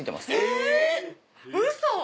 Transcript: えぇ！ウソ！